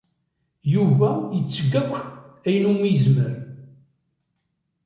Yuba yetteg akk ayen umi yezmer.